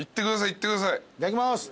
いただきます。